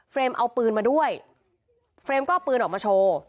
เอาปืนมาด้วยเฟรมก็เอาปืนออกมาโชว์